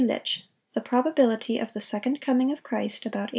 Litch, "The Probability of the Second Coming of Christ about A.